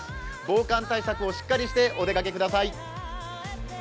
防寒対策をしっかりしてお出かけください。